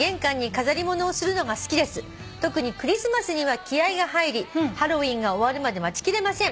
「特にクリスマスには気合が入りハロウィーンが終わるまで待ちきれません」